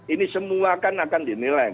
ini semua kan akan dinilai